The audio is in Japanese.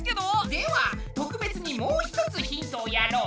では特別にもう一つヒントをやろう。